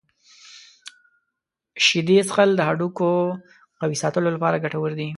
شیدې څښل د هډوکو قوي ساتلو لپاره ګټور دي.